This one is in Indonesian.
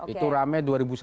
itu rame dua ribu satu